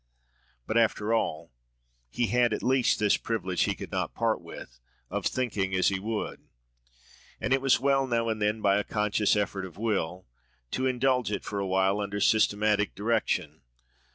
But after all he had at least this privilege he could not part with, of thinking as he would; and it was well, now and then, by a conscious effort of will, to indulge it for a while, under systematic direction.